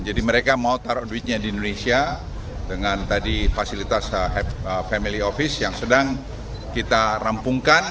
jadi mereka mau taruh duitnya di indonesia dengan tadi fasilitas family office yang sedang kita rampungkan